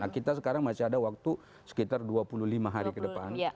kita sekarang masih ada waktu sekitar dua puluh lima hari ke depan